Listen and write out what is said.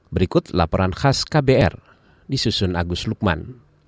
berikut laporan khas kbr disusun agus lukman